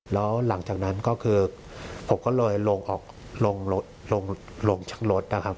แล้วหลังจากนั้นก็คือผมก็เลยลงออกลงจากรถนะครับ